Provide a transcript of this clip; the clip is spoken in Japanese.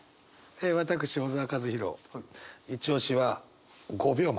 私小沢一敬いち押しは５秒前。